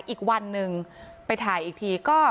โปรดติดตามต่อไป